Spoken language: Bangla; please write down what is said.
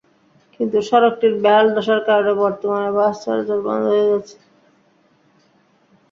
কিন্তু সড়কটির বেহাল দশার কারণে বর্তমানে বাস চলাচল বন্ধ হয়ে গেছে।